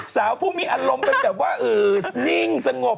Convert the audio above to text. สาวผู้มีอารมณ์เป็นแบบว่านิ่งสงบ